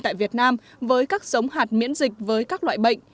tại việt nam với các sống hạt miễn dịch với các loại bệnh